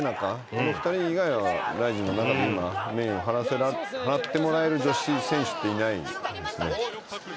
この２人以外はＲＩＺＩＮの中で今メインを張ってもらえる女子選手っていないですね」